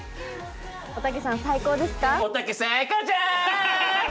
おたけさん最高ですか？